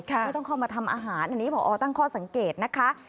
ไม่ต้องเข้ามาทำอาหารอันนี้พอตั้งข้อสังเกตนะคะ